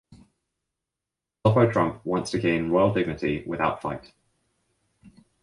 Zoppo Trump wants to gain royal dignity without fight.